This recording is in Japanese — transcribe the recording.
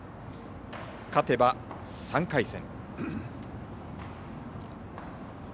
勝てば３回戦。